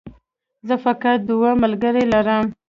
زه فقط دوه ملګري لرم